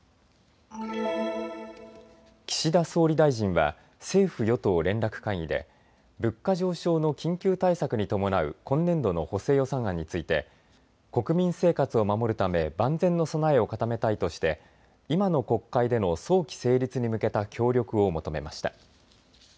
岸田総理大臣は政府与党連絡会議で物価上昇の緊急対策に伴う今年度の補正予算案について国民生活を守るため万全の備えを固めたいとして今の国会での早期成立に向けた協力を求めました。